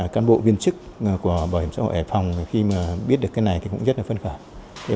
cán bộ viên chức của bảo hiểm xã hội hải phòng khi mà biết được cái này thì cũng rất là phân khởi